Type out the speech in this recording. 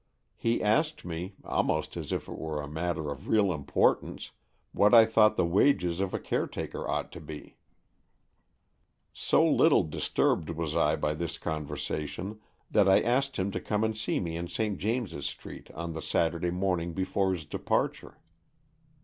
He asked me, almost as if it were a matter of real importance, what I thought the wages of a caretaker ought to be So little disturbed was I by this conversa tion, that I asked him to come and see me in St. James's Street on the Saturday morn ing before his departure.